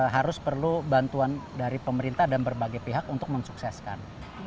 harus perlu bantuan dari pemerintah dan berbagai pihak untuk mensukseskan